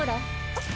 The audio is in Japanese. あっ。